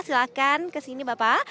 silahkan kesini bapak